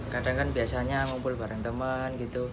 kadang kadang biasanya ngumpul bareng teman